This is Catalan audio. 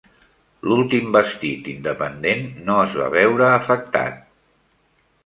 L"últim vestit independent no es va veure afectat.